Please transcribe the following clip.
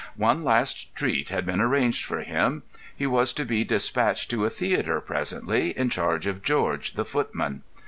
One last treat had been arranged for him. He was to be dispatched to a theatre presently in charge of George, the footman.